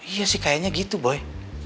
iya sih kayaknya gitu boy